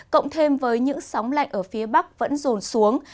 cộng thêm với những sóng lạnh ở phía bắc vẫn rồn xuống